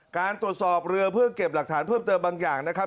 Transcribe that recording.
การตรวจสอบเรือเพื่อเก็บหลักฐานเพิ่มเติมบางอย่างนะครับ